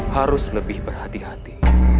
harus lebih berhati hati